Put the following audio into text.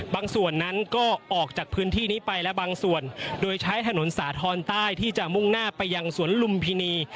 ส่วนนั้นก็ออกจากพื้นที่นี้ไปและบางส่วนโดยใช้ถนนสาธรณ์ใต้ที่จะมุ่งหน้าไปยังสวนลุมพินี